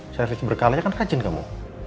service berkalanya kan rajin kamu